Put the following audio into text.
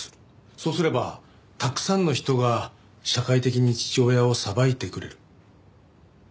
そうすればたくさんの人が社会的に父親を裁いてくれる。